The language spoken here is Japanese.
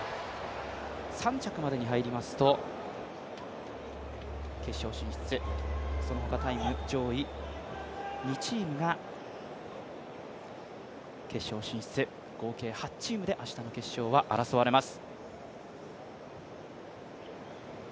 ３着までに入りますと、決勝進出、プラス上位２チームが決勝進出、合計８チームで明日の決勝は争われます。